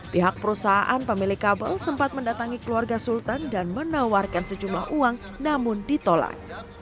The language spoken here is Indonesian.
pihak perusahaan pemilik kabel sempat mendatangi keluarga sultan dan menawarkan sejumlah uang namun ditolak